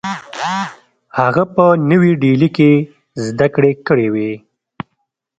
هغه په نوې ډیلي کې زدکړې کړې وې